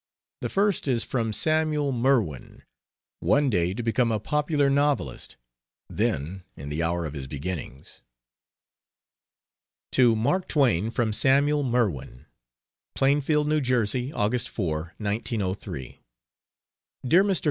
The first is from Samuel Merwin, one day to become a popular novelist, then in the hour of his beginnings. To Mark Twain, from Samuel Merwin: PLAINFIELD, N. J. August 4, 1903. DEAR MR.